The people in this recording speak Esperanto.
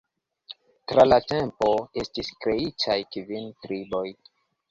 Tra la tempo estis kreitaj kvin triboj.